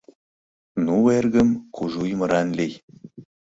— Ну, эргым, кужу ӱмыран лий!